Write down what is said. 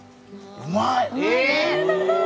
うまい！